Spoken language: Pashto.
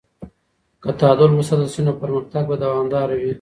که تعادل وساتل سي نو پرمختګ به دوامداره وي.